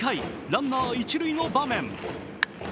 ランナー、一塁の場面。